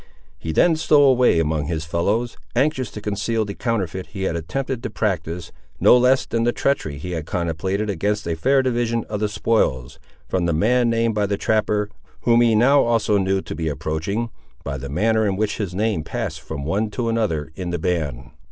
He then stole away among his fellows, anxious to conceal the counterfeit he had attempted to practise, no less than the treachery he had contemplated against a fair division of the spoils, from the man named by the trapper, whom he now also knew to be approaching, by the manner in which his name passed from one to another, in the band.